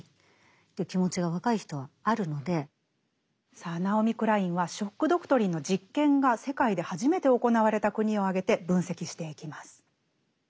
さあナオミ・クラインは「ショック・ドクトリン」の実験が世界で初めて行われた国を挙げて分析していきます。